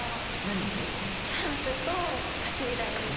何に？